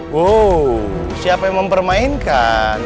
wow siapa yang mempermainkan